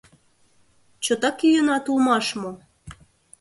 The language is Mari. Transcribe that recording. — Чотак йӱынат улмаш мо?